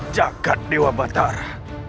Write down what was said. jagat dewa batara